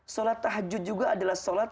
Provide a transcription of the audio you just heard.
salat tahajud juga adalah salat